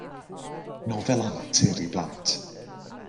Nofel antur i blant.